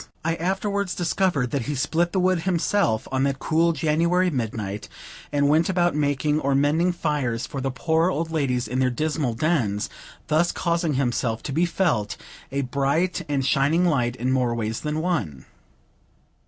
I afterwards discovered that he split the wood himself on that cool January midnight, and went about making or mending fires for the poor old ladies in their dismal dens; thus causing himself to be felt a bright and shining light in more ways than one.